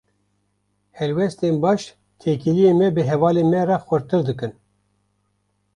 Helwestên baş, têkiliyên me bi hevalên me re xurttir dikin.